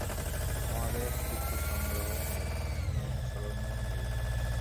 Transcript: আমাদের কিছু সংগ্রহও নাই, কোনো অনুসরনও নেই।